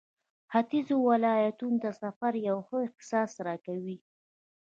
ختيځو ولایتونو ته سفر یو ښه احساس راکوي.